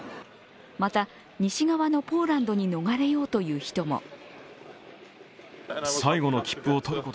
また、西側のポーランドに逃れようという人も。